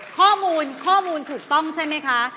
ข้อมูลถูกต้องใช่ไหมคะ